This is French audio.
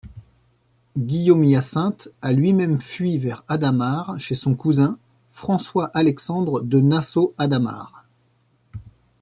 Guillaume-Hyacinthe a lui-même fui vers Hadamar, chez son cousin, François-Alexandre de Nassau-Hadamar.